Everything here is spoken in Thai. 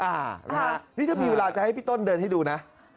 อันนี้ถ้ามีเวลาจะให้พี่ต้นเดินให้ดูนะ